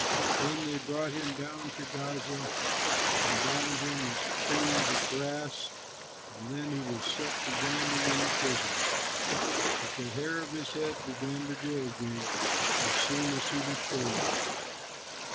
Then they brought him down to Gaza and bound him with chains of brass, and then he was set to grinding in the prison. But the hair of his head began to grow again as soon as he was shaved.